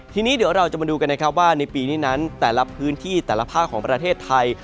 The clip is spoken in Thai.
ทีนี้เดี๋ยวเราจะมาดูกันนะครับว่าในปีนี้นั้นแต่ละพื้นที่แต่ละภาคของประเทศไทย